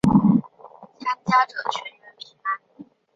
参加者全员平安。